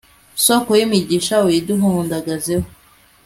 soko y'imigisha uyiduhundagazeho